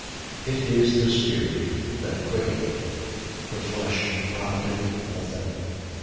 It is the spirit that quickeneth: the flesh profiteth nothing.